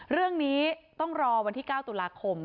เรื่องนี้ต้องรอวันที่๙ตุลาคม